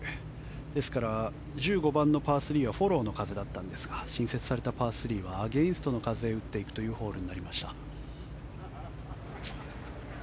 ですから、１５番のパー３はフォローの風だったんですが新設されたパー３はアゲンストの風を打っていくというホールになりました。